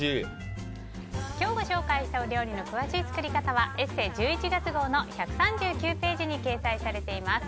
今日ご紹介したお料理の詳しい作り方は「ＥＳＳＥ」１１月号の１３９ページに掲載しています。